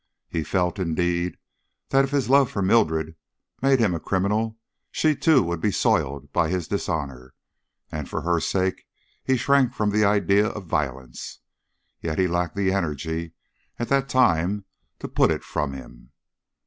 He felt, indeed, that if his love for Mildred made him a criminal, she too would be soiled by his dishonor, and for her sake he shrank from the idea of violence, yet he lacked the energy at that time to put it from him.